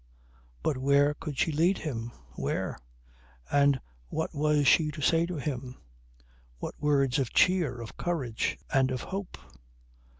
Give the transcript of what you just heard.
But where could she lead him? Where? And what was she to say to him? What words of cheer, of courage and of hope?